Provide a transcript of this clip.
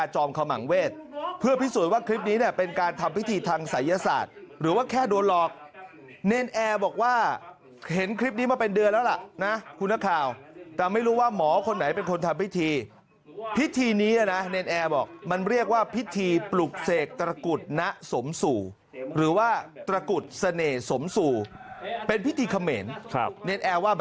ขมังเวศเพื่อพิสูจน์ว่าคลิปนี้เนี่ยเป็นการทำพิธีทางศัยศาสตร์หรือว่าแค่โดนหลอกเนรนแอร์บอกว่าเห็นคลิปนี้มาเป็นเดือนแล้วล่ะนะคุณนักข่าวแต่ไม่รู้ว่าหมอคนไหนเป็นคนทำพิธีพิธีนี้นะเนรนแอร์บอกมันเรียกว่าพิธีปลุกเสกตระกุฎณสมสู่หรือว่าตระกุดเสน่ห์สมสู่เป็นพิธีเขมรครับเนรแอร์ว่า